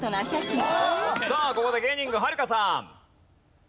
さあここで芸人軍はるかさん。